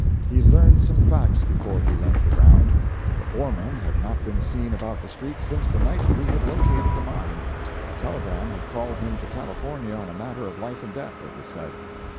He learned some facts before he left the ground. The foreman had not been seen about the streets since the night we had located the mine—a telegram had called him to California on a matter of life and death, it was said.